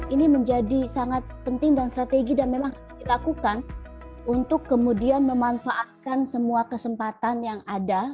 ini menjadi sangat penting dan strategi dan memang dilakukan untuk kemudian memanfaatkan semua kesempatan yang ada